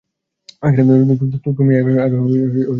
তুমিই আর আমাকে দেখতে পারো না।